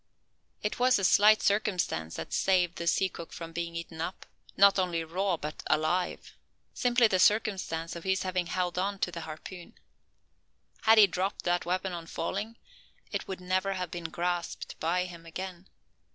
It was a slight circumstance that saved the sea cook from being eaten up, not only raw, but alive. Simply the circumstance of his having held on to the harpoon. Had he dropped that weapon on falling, it would never have been grasped by him again.